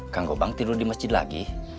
kang gobang tidur di masjid lagi